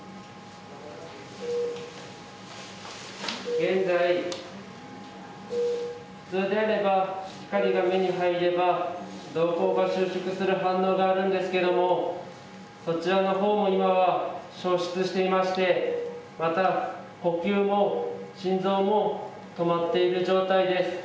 現在普通であれば光が目に入れば瞳孔が収縮する反応があるんですけどもそちらのほうも今は消失していましてまた呼吸も心臓も止まっている状態です。